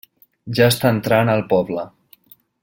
Ja està entrant al poble.